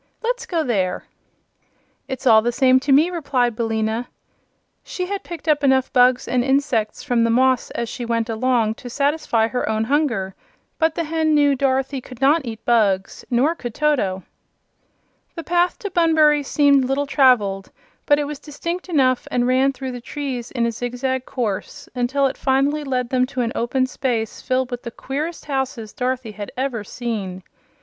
"Let's go there." "It's all the same to me," replied Billina. She had picked up enough bugs and insects from the moss as she went along to satisfy her own hunger, but the hen knew Dorothy could not eat bugs; nor could Toto. The path to Bunbury seemed little traveled, but it was distinct enough and ran through the trees in a zigzag course until it finally led them to an open space filled with the queerest houses Dorothy had ever seen.